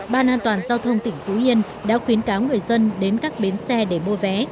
ban an toàn giao thông tỉnh phú yên đã khuyến cáo người dân đến các bến xe để mua vé